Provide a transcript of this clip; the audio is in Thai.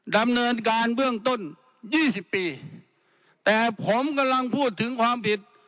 ดำเนินการเบื้องต้นยี่สิบปีแต่ผมกำลังพูดถึงความผิด